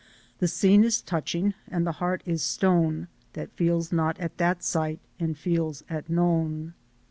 The scene is touching and the heart is stone That feels not at that sight, and feels at none.